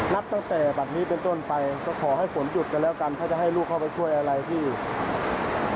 นับตั้งแต่บัตรนี้เป็นต้นไปก็ขอให้ฝนหยุดกันแล้วกันถ้าจะให้ลูกเข้าไปช่วยอะไรที่